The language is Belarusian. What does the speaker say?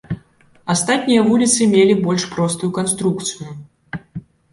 Астатнія вуліцы мелі больш простую канструкцыю.